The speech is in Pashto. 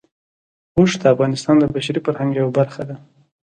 اوښ د افغانستان د بشري فرهنګ یوه برخه ده.